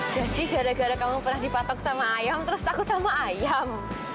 jadi gara gara kamu pernah dipatok sama ayam terus takut sama ayam